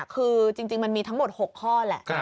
คือจริงมันมีทั้งหมด๖ข้อแหละ